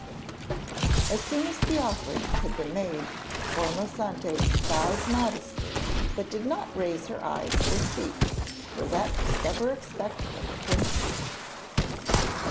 As soon as the offerings had been made, Formosante bowed modestly, but did not raise her eyes or speak, for that was never expected of a princess.